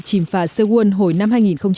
trìm phà sê guông hồi năm hai nghìn một mươi bốn